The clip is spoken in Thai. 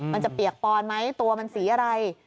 มันจะเปียกปอนไหมตัวมันสีอะไร